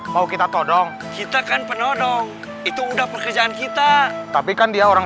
mau kita tolong kita kan penodong itu udah pekerjaan kita tapi kan dia orang